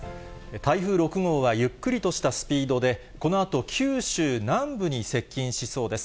台風６号はゆっくりとしたスピードで、このあと九州南部に接近しそうです。